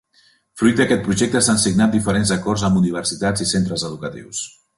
Fruit d'aquest projecte s'han signat diferents acords amb universitats i centres educatius.